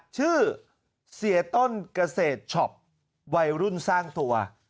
ชื่อเสียต้นเกษตรช็อปวัยรุ่นสร้างตัว